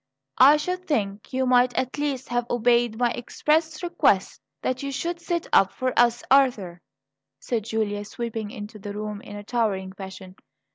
"I should think you might at least have obeyed my express request that you should sit up for us, Arthur," said Julia, sweeping into the room in a towering passion.